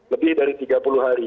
lebih dari tiga puluh hari